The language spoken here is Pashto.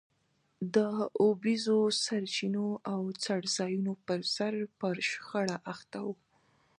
د اوبیزو سرچینو او څړځایونو پرسر پر شخړو اخته وو.